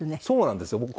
そうなんですよ。